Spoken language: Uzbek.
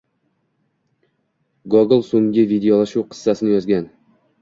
Gogol` so’nggi vidolashuv qissasini yozgan.